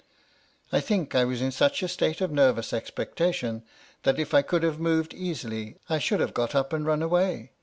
I think I was in such a state of nervous expectation, that if I could have moved easily, I should have got up and run away.